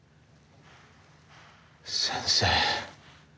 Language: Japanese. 先生。